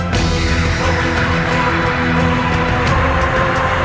terima kasih biasa kakang